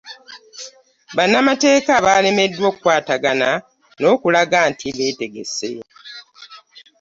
“Bannamateeka balemeddwa okukwatagana n'okulaga nti beetegese.